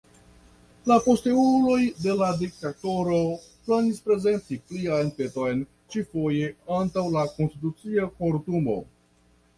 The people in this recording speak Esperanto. La posteuloj de la diktatoro planis prezenti plian peton, ĉi-foje antaŭ la Konstitucia Kortumo.